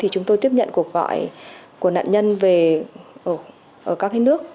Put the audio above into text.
chúng tôi tiếp nhận cuộc gọi của nạn nhân về ở các nước